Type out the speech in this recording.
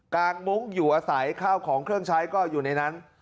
กางมุ้งอยู่อาศัยข้าวของเครื่องใช้ก็อยู่ในนั้น